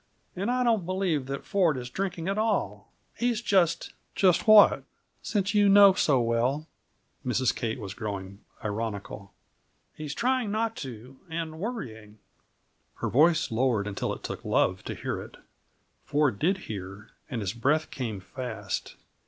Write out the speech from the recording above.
And I don't believe that Ford is drinking at all. He's just " "Just what? since you know so well!" Mrs. Kate was growing ironical. "He's trying not to and worrying." Her voice lowered until it took love to hear it. Ford did hear, and his breath came fast.